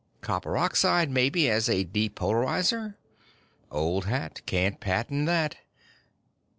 Copper oxide, maybe, as a depolarizer? Old hat; can't patent that.